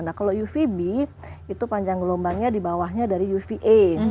nah kalau uvb itu panjang gelombangnya di bawahnya dari uva